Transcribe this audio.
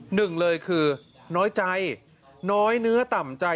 หนึ่งเลยคือน้อยใจน้อยเนื้อต่ำใจ